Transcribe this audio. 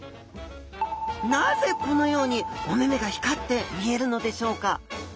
なぜこのようにお目々が光って見えるのでしょうか？